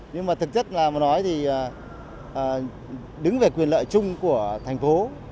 nhưng mà thực chất là mà nói thì đứng về quyền lợi chung của thành phố